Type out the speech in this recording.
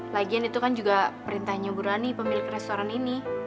lagian itu kan juga perintahnya bu rani pemilik restoran ini